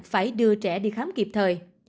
phải đưa trẻ đi khám kịp thời